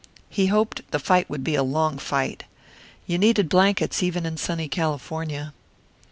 He hoped the fight would be a long fight. You needed blankets even in sunny California.